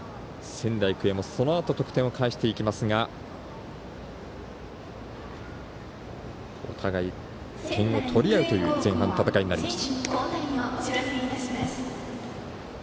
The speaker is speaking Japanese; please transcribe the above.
仙台育英もそのあと得点を返していきますがお互い点を取り合うという前半の戦いになりました。